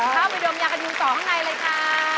เข้าไปดมยากัดยุงต่อข้างในเลยค่ะ